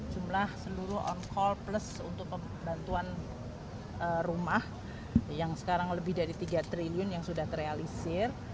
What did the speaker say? jumlah seluruh on call plus untuk pembantuan rumah yang sekarang lebih dari tiga triliun yang sudah terrealisir